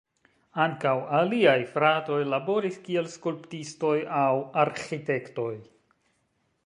Ankaŭ aliaj fratoj laboris kiel skulptistoj aŭ arĥitektoj.